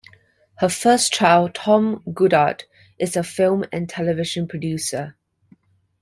Her first child, Thom Goddard, is a film and television producer.